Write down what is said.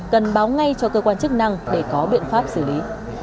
cần báo ngay cho cơ quan chức năng để có biện pháp xử lý